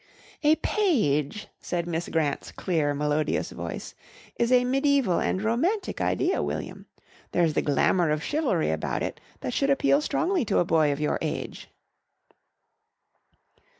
"A page," said Miss Grant's clear, melodious voice, "is a mediæval and romantic idea, William. There's the glamour of chivalry about it that should appeal strongly to a boy of your age."